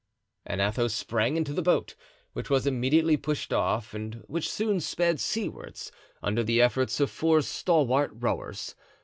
And Athos sprang into the boat, which was immediately pushed off and which soon sped seawards under the efforts of four stalwart rowers.